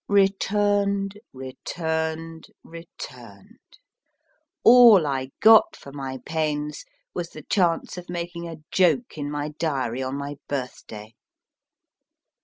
Returned ! Returned ! Returned ! All I got for my pains was the chance of making a joke in my diary on my birthday.